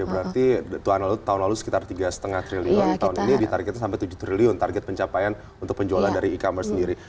berarti tahun lalu tahun lalu sekitar tiga lima triliun tahun ini ditariknya sampai tujuh triliun target pencapaian untuk penjualan dari e commerce sendiri